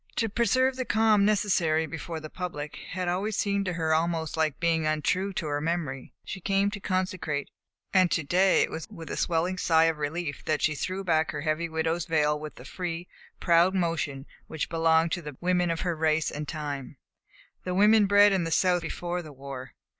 To preserve the calm necessary before the public had always seemed to her almost like being untrue to the memory she came to consecrate; and to day it was with a swelling sigh of relief that she threw back her heavy widow's veil with the free, proud motion which belonged to the women of her race and time the women bred in the South before the war.